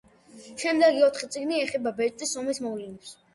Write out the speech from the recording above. შემდეგი ოთხი წიგნი ეხება ბეჭდის ომის მოვლენებს.